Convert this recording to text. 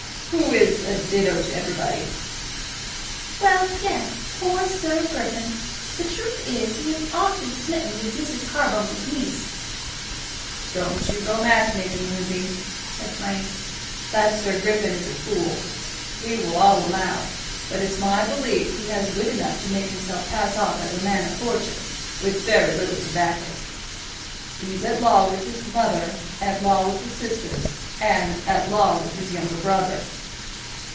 "Who is a ditto to everybody." "Well; yes; poor Sir Griffin! The truth is, he is awfully smitten with Mrs. Carbuncle's niece." "Don't you go match making, Lizzie," said Frank. "That Sir Griffin is a fool, we will all allow; but it's my belief he has wit enough to make himself pass off as a man of fortune, with very little to back it. He's at law with his mother, at law with his sisters, and at law with his younger brother."